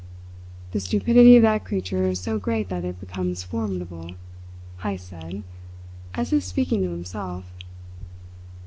"The stupidity of that creature is so great that it becomes formidable," Heyst said, as if speaking to himself.